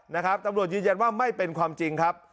นะครับตำรวจยืนยันว่าไม่เป็นความจริงครับ